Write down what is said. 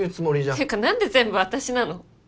ていうか何で全部あたしなの？